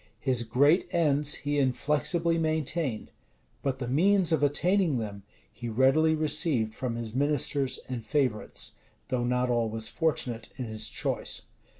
His great ends he inflexibly maintained; but the means of attaining them he readily received from his ministers and favorites, though not always fortunate in his choice.